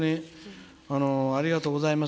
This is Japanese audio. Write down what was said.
ありがとうございます。